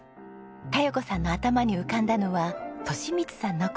香葉子さんの頭に浮かんだのは利光さんの事。